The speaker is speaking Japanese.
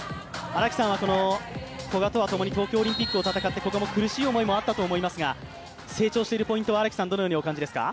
荒木さんは古賀とは共に東京オリンピックも戦って、ここも苦しい思いもあったと思いますが、成長してるポイント、どうご覧ですか。